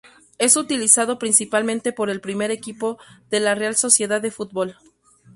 Es utilizado principalmente por el primer equipo de la Real Sociedad de Fútbol.